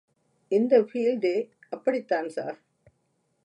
இந்த பீல்டே அப்படித்தான் ஸார்.